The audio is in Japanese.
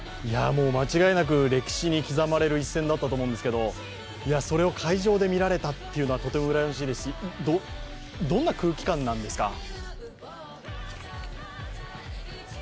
もう、間違いなく歴史に刻まれる一戦だったと思うんですけどそれを会場で見られたというのはとてもうらやましいですし、どんな空気感なんですか？